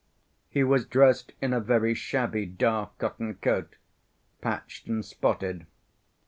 He was dressed in a very shabby dark cotton coat, patched and spotted.